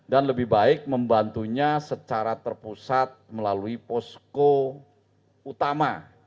dan lebih baik membantunya secara terpusat melalui posko utama